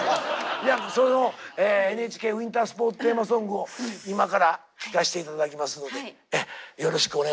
そのＮＨＫウィンタースポーツテーマソングを今から出して頂きますのでよろしくお願いいたします。